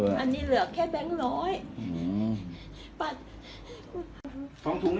สวัสดีทุกคน